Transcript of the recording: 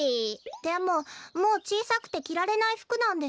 でももうちいさくてきられないふくなんでしょ？